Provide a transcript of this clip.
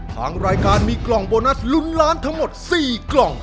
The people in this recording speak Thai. ทางรายการมีกล่องโบนัสลุ้นล้านทั้งหมด๔กล่อง